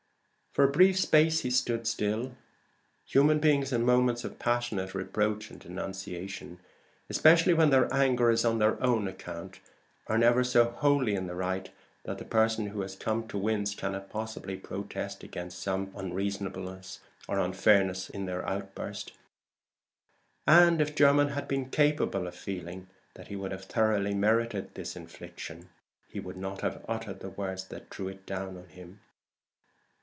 For a brief space he stood still. Human beings in moments of passionate reproach and denunciation, especially when their anger is on their own account, are never so wholly in the right that the person who has to wince cannot possibly protest against some unreasonableness or unfairness in their outburst. And if Jermyn had been capable of feeling that he had thoroughly merited this infliction, he would not have uttered the words that drew it down on him.